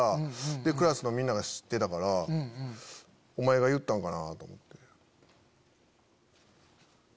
でクラスのみんな知ってたからお前が言ったんかなぁと思って。